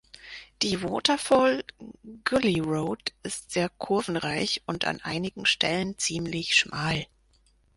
Die Waterfall Gully Road ist sehr kurvenreich und an einigen Stellen ziemlich schmal.